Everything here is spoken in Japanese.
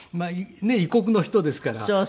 異国の人ですから。